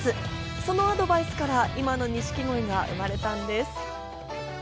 そのアドバイスから今の錦鯉が生まれたんです。